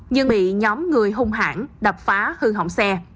nhưng bị nhóm người hung hãng đập phá hư hỏng xe